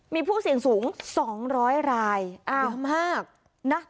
มีผู้เสี่ยงสูงสองร้อยรายอ้าวหยุดมากนะ